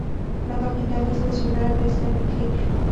La capital es la ciudad de Şəmkir.